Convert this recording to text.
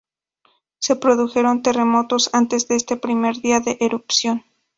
Se produjeron terremotos antes de este primer día de erupción.